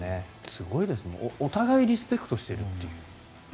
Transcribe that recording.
すごいですね。お互いリスペクトしてるっていう。